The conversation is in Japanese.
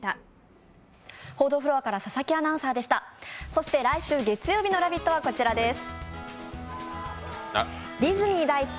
そして来週月曜日の「ラヴィット！」はこちらです。